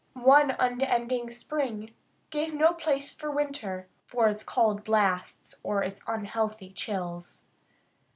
One unending spring gave no place for winter for its cold blasts or its unhealthy chills.